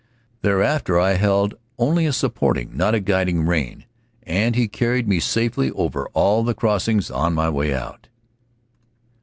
Thereafter I held only a supporting, not a guiding, rein and he carried me safely over all the crossings on my way out.